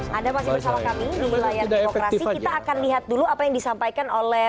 kita akan lihat dulu apa yang disampaikan oleh